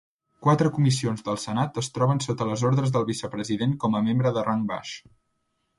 Quatre comissions del senat es troben sota les ordres del vicepresident com a membre de rang baix.